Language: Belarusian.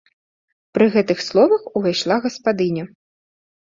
Пры гэтых словах увайшла гаспадыня.